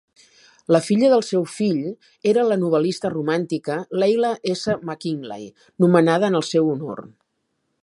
La filla del seu fill era la novel·lista romàntica Leila S. Mackinlay, nomenada en el seu honor.